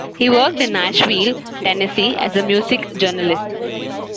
He worked in Nashville, Tennessee, as a music journalist.